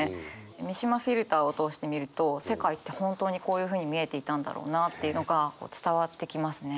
三島フィルターを通して見ると世界って本当にこういうふうに見えていたんだろうなっていうのが伝わってきますね。